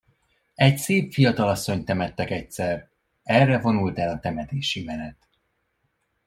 Egy szép, fiatal asszonyt temettek egyszer, erre vonult el a temetési menet.